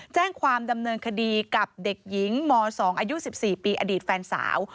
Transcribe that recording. แจ้งความดำเนินคดีกับเด็กหญิงม๒อายุ๑๔ปีอดีตแฟนสาว